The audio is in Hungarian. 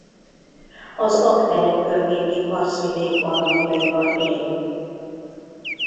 Az Aggtelek környéki karsztvidék barlangjaiban él.